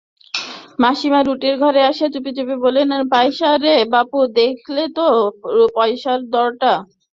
মাসিমা রুটির ঘরে আসিয়া চুপি চুপি বলিলেন-পয়সা রে বাপু, দেখলে তো পয়সার আদরটা?